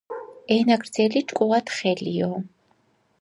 ენაგრძელი ჭკუათხელიო